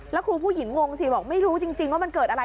แล้วครูผู้หญิงงงสิบอกไม่รู้จริงว่ามันเกิดอะไร